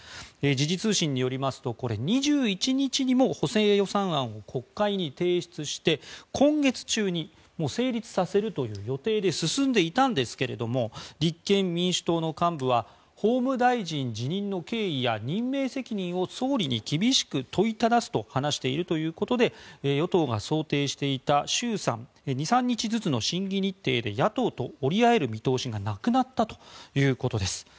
時事通信によりますと２１日にも補正予算案を国会に提出して今月中に成立させる予定で進んでいたんですが立憲民主党の幹部は法務大臣辞任の経緯や任命責任を総理に厳しく問いただすと話しているということで与党が想定していた衆参２３日ずつの審議日程で野党と折り合える見通しがなくなったということです。